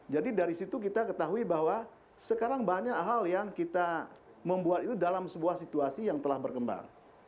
jadi dari situ kita ketahui bahwa sekarang banyak hal yang kita membuat itu dalam sebuah situasi yang telah berkembang